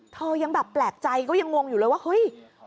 ยังแบบแปลกใจก็ยังงงอยู่เลยว่าเฮ้ย